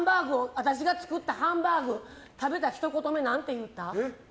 私が作ったハンバーグ食べたひと言目、何て言うた？